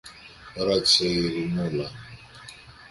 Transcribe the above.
ρώτησε η Ειρηνούλα.